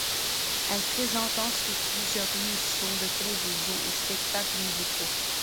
Elle présente ensuite plusieurs émissions de télévision et spectacles musicaux.